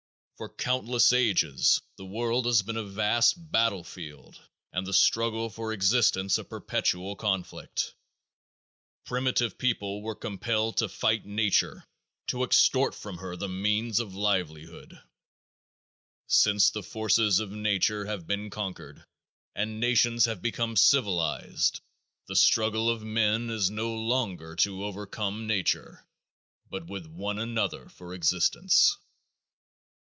For countless ages the world has been a vast battlefield and the struggle for existence a perpetual conflict. Primitive peoples were compelled to fight nature to extort from her the means of livelihood. Since the forces of nature have been conquered and nations have become civilized the struggle of men is no longer to overcome nature but with one another for existence.